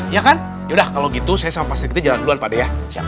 yaudah kalo gitu saya sama pak sri kiti jalan duluan pak deh ya